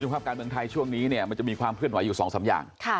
ภาพการเมืองไทยช่วงนี้เนี่ยมันจะมีความเคลื่อนไหวอยู่๒๓อย่าง